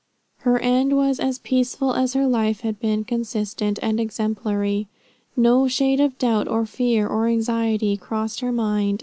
Her end was as peaceful as her life had been consistent and exemplary. "No shade of doubt or fear, or anxiety crossed her mind."